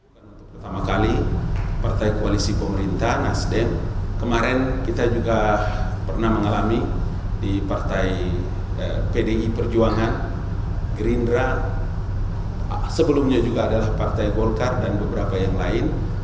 bukan untuk pertama kali partai koalisi pemerintah nasdem kemarin kita juga pernah mengalami di partai pdi perjuangan gerindra sebelumnya juga adalah partai golkar dan beberapa yang lain